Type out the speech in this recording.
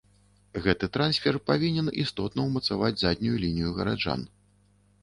Гэты трансфер павінен істотна ўмацаваць заднюю лінію гараджан.